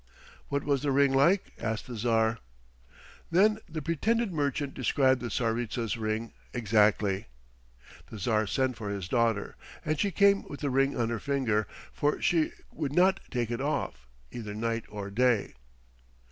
"What was thy ring like?" asked the Tsar. Then the pretended merchant described the Tsaritsa's ring exactly. The Tsar sent for his daughter, and she came with the ring on her finger, for she would not take it off, either night or day.